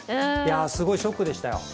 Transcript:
すごいショックでしたよ。